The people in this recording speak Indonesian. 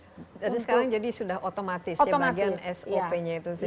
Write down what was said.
jadi sekarang sudah otomatis bagian sop nya itu